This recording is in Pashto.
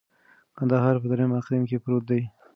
کندهار په دریم اقلیم کي پروت دی.